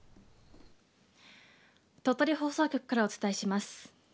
鳥取放送局からお伝えします。